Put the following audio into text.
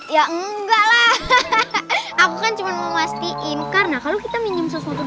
ya enggak lah aku kan cuman memastikan karena kalau kita minum sesuatu dari orang